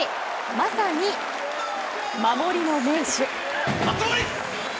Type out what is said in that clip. まさに守りの名手。